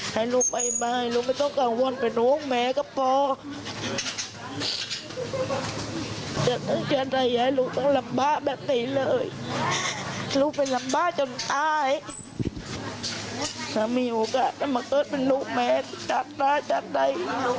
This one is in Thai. ถ้ามีโอกาสจะมาเกิดเป็นลูกแม่ก็จาดได้